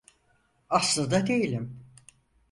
Aslında değilim.